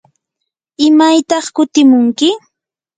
¿imaytaq kutimunki?